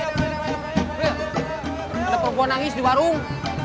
kenapa gue nangis di warung